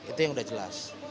itu yang udah jelas